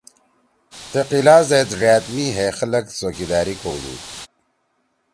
تے قلعہ زیدا ڙأت می ہے خلگ څوکیداری کؤدُود۔